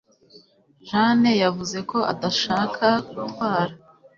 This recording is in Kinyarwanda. jeanne yavuze ko adashaka gutwara